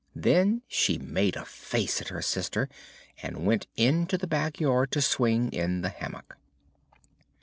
Then she made a face at her sister and went into the back yard to swing in the hammock.